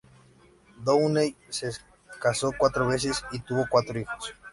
Downey se casó cuatro veces y tuvo cuatro hijos.